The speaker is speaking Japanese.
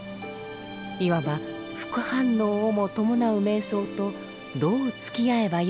いわば副反応をも伴う瞑想とどうつきあえばよいのか。